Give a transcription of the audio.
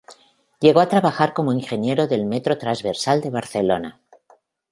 Llegó a trabajar como ingeniero del Metro Transversal de Barcelona.